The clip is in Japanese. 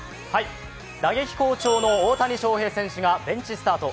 打撃好調の大谷翔平選手がベンチスタート。